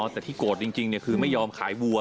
แต่ที่โกรธจริงคือไม่ยอมขายวัว